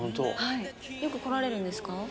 よく来られるんですか？